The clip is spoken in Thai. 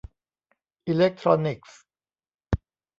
อิเล็กทรอนิกส์